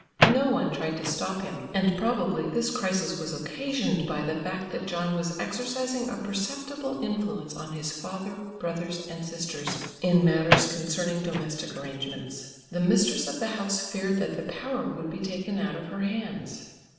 No one tried to stop him, and probably this crisis was occasioned by the fact that John was exercising a perceptible influence on his father, brothers and sisters in matters concerning domestic arrangements. The mistress of the house feared that the power would be taken out of her hands.